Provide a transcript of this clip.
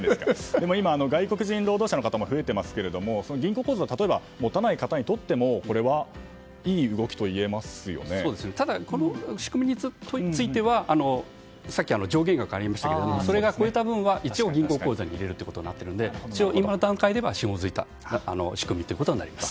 でも今、外国人労働者の方も増えてますけど銀行口座を例えば持たない方にとってはただ、この仕組みについてはさっき上限額がありましたがそれが超えた分は一応銀行口座に入れることになっているので一応、今の段階ではひもづいた仕組みとなります。